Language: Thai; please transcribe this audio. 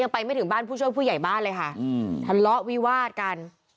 ไปไม่ถึงบ้านผู้ช่วยผู้ใหญ่บ้านเลยค่ะอืมทะเลาะวิวาดกัน